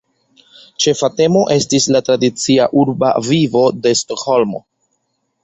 Ĉefa temo estis la tradicia urba vivo de Stokholmo.